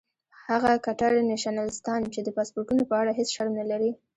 هغه کټر نیشنلستان چې د پاسپورټونو په اړه هیڅ شرم نه لري.